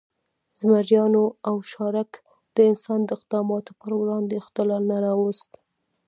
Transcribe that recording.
زمریانو او شارک د انسان د اقداماتو پر وړاندې اختلال نه راوست.